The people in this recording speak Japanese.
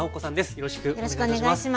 よろしくお願いします。